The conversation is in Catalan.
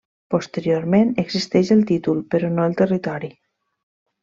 Posteriorment existeix el títol però no el territori.